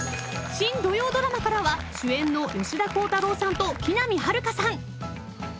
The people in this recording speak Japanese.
［新土曜ドラマからは主演の吉田鋼太郎さんと木南晴夏さん］